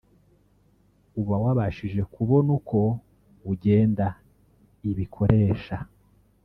uba wabashije kubona uko ugenda ibikoresha